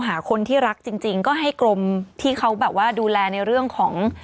หาคนที่รักจริงก็ให้กรมที่เขาแบบว่าดูแลในเรื่องของ